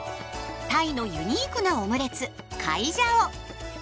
タイのユニークなオムレツカイジャオ。